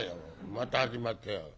「また始まったよ。